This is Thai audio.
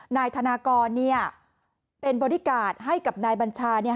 นายธนากรเป็นบอดี้การ์ดให้กับนายบัญชา